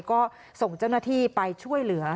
ก็ส่งเจ้าหน้าที่ไปช่วยเหลือ